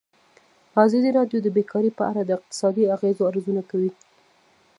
ازادي راډیو د بیکاري په اړه د اقتصادي اغېزو ارزونه کړې.